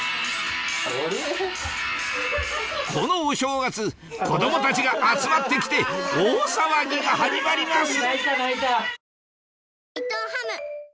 このお正月子供たちが集まって来て大騒ぎが始まります